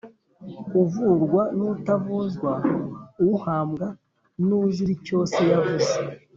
uvurwa n’utavuzwa, uhambwa n’uzira icyo se yavuze